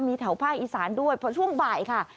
มีแถวภาคอีสานด้วยเพราะช่วงบ่ายค่ะ